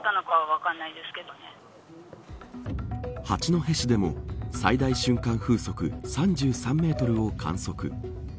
八戸市でも最大瞬間風速３３メートルを観測。